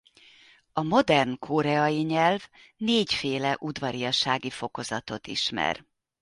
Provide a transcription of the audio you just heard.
A modern koreai nyelv négyféle udvariassági fokozatot ismer.